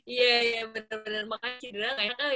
iya iya bener bener makasih cedera